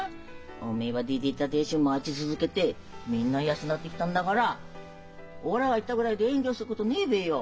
おめえは出ていった亭主を待ち続けてみんな養ってきたんだからおらが行ったぐれえで遠慮することねえべよ。